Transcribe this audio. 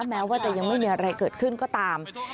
แม้ว่าจะยังไม่มีอะไรเกิดขึ้นก็ตาม